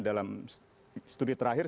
dalam studi terakhir